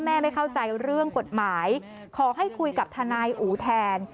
ไม่เข้าใจเรื่องกฎหมายขอให้คุยกับทนายอูแทน